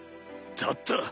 だったら！